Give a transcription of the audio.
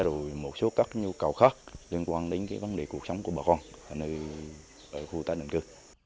rồi một số các nhu cầu khác liên quan đến cái vấn đề cuộc sống của bà con ở khu tái định cư